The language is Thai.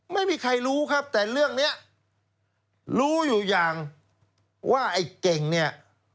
ไม่มีใครรู้ครับแต่เรื่องนี้รู้อยู่อย่างว่าไอ้เก่งเนี่ย